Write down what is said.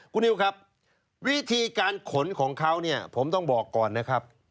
คุณนิวครับวิธีการขนของเขาเนี่ยผมต้องบอกก่อนนะครับ